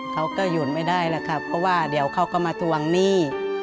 เขาก็หยุดไม่ได้แล้วครับเพราะว่าเดี๋ยวเขาก็มาทวงหนี้